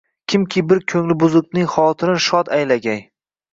Kimki bir ko`ngli buzuqning xotirin shod aylagay